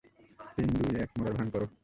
তিন, দুই, এক, মরার ভান করো।